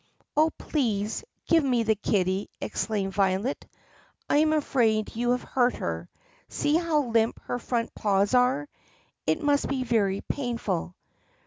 "Oh, please, give me the kitty!" exclaimed Violet. "I am afraid you have hurt her. See how limp her front paws are! It must be very painful."